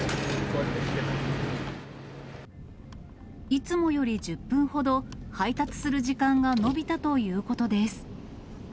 いつもより１０分ほど、配達する時間が延びたということです。